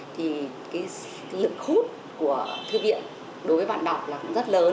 thì lực hút của thư viện đối với bạn đọc là cũng rất lớn